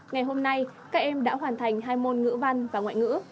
ngày hôm nay các em đã hoàn thành hai môn ngữ văn và ngoại ngữ